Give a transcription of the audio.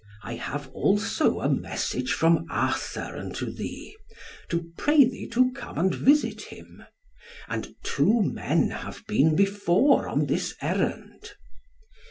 I have also a message from Arthur unto thee, to pray thee to come and visit him. And two men have been before on this errand."